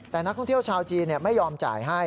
แต่นักท่องเที่ยวชาวจีนไม่ยอมจ่ายให้